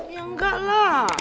ya enggak lah